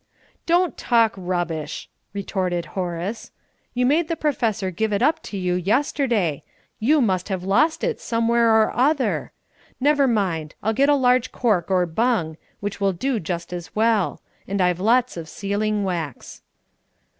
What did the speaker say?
"Don't talk rubbish!" retorted Horace. "You made the Professor give it up to you yesterday. You must have lost it somewhere or other. Never mind! I'll get a large cork or bung, which will do just as well. And I've lots of sealing wax."